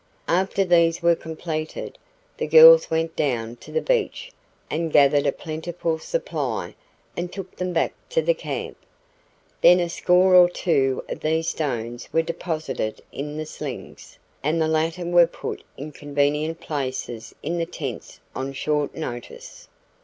After these were completed, the girls went down to the beach and gathered a plentiful supply and took them back to the camp. Then a score or two of these stones were deposited in the slings, and the latter were put in convenient places in the tents on short notice.